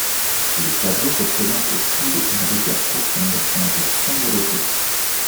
Le tableau représente le coude d'une rivière profonde, un jour sombre d'été.